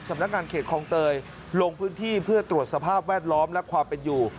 สำนักงานเขตคลองเตยลงพื้นที่เพื่อตรวจสภาพแวดล้อมและความเป็นอยู่